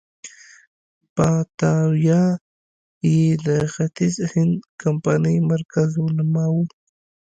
باتاویا یې د ختیځ هند کمپنۍ مرکز ونوماوه.